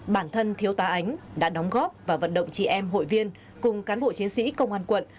bản thân thiếu tá ánh đã đóng góp và vận động chị em hội viên cùng cán bộ chiến sĩ công an quận